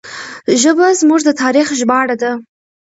ژبه زموږ د تاریخ ژباړه ده.